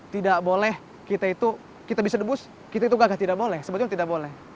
tidak boleh kita itu kita bisa debus kita itu gagah tidak boleh sebetulnya tidak boleh